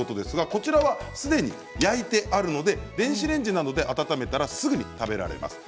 こちらはすでに焼いてあるので電子レンジなどで温めたらすぐに食べられます。